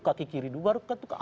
kaki kiri dulu baru kaki kiri